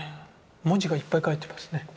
文字がいっぱい書いてますね。